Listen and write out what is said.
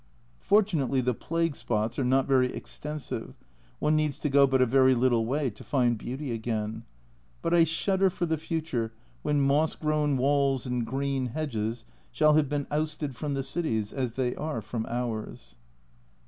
Fortunately the plague spots are not very extensive, one needs to go but a very little way to find beauty again, but I shudder for the future when moss grown walls and green hedges shall have been ousted from the cities, as they are from ours.